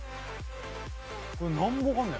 これなんもわかんねえ。